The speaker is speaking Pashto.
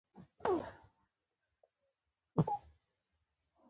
بلغاریا کې د ګلابونو غوړ اخیستلو جشن کلنی دود دی.